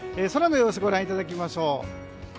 空の様子ご覧いただきましょう。